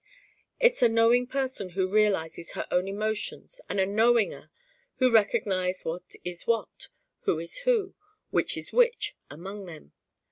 It's a knowing person who realizes her own emotions and a knowinger who recognizes what is what, who is who, which is which among them.